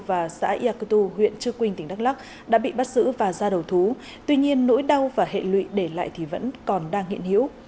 và xã yakutu huyện trư quynh tỉnh đắk lắc đã bị bắt giữ và ra đầu thú tuy nhiên nỗi đau và hệ lụy để lại thì vẫn còn đang hiện hiểu